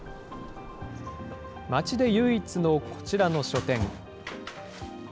町で唯一のこちらの書店。